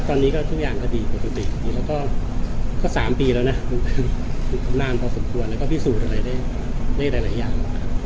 ตอนนี้ก็ทุกอย่างก็ดีปกติแล้วก็๓ปีแล้วนะนานพอสมควรแล้วก็พิสูจน์อะไรได้หลายอย่าง